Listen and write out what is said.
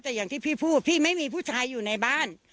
แต่อย่างที่พี่พูดพี่ไม่มีผู้ชายอยู่ในบ้าน